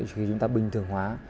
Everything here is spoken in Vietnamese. khi chúng ta bình thường hóa